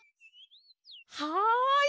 はい！